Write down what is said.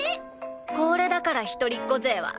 これだから一人っ子勢は。